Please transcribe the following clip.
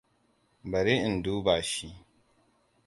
Bari in duba shi.